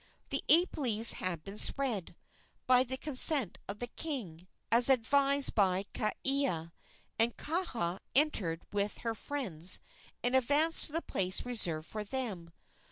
The ape leaves had been spread, by the consent of the king, as advised by Kaea, and Kaha entered with her friends and advanced to the place reserved for them.